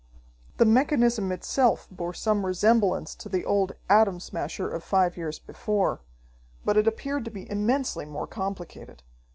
The mechanism itself bore some resemblance to the old Atom Smasher of five years before, but it appeared to be immensely more complicated.